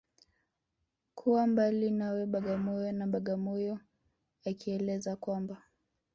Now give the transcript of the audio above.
Kuwa mbali nawe Bagamoyo na Bagamoyo akieleza kwamba